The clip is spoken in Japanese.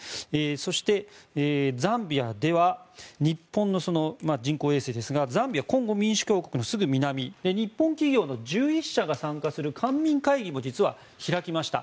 そして、ザンビアでは日本の人工衛星ですがザンビアはコンゴ民主共和国のすぐ南日本企業の１１社が参加する官民会議も実は開きました。